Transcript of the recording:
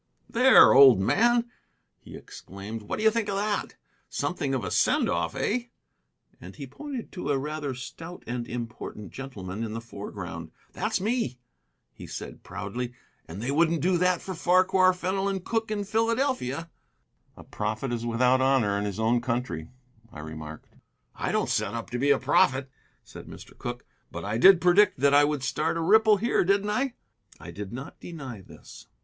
"There, old man!" he exclaimed. "What do you think of that? Something of a sendoff, eh?" And he pointed to a rather stout and important gentleman in the foreground. "That's me!" he said proudly, "and they wouldn't do that for Farquhar Fenelon Cooke in Philadelphia." "A prophet is without honor in his own country," I remarked. "I don't set up for a prophet," said Mr. Cooke, "but I did predict that I would start a ripple here, didn't I?" I did not deny this.